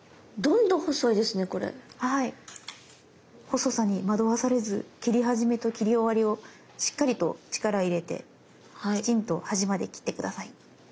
細さに惑わされず切り始めと切り終わりをしっかりと力入れてきちんと端まで切って下さい。